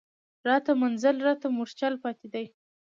راته منزل راته مورچل پاتي دی